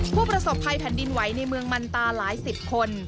ผู้ประสบภัยแผ่นดินไหวในเมืองมันตาหลายสิบคน